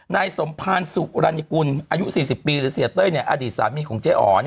นายสมภารสุรรณกุลอายุ๔๐ปีหรือเสียเต้ยอดีตสามีของเจ๊อ๋อ